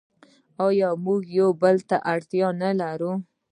آیا موږ یو بل ته اړتیا نلرو؟